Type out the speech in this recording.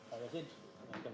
pak yasin yang di depan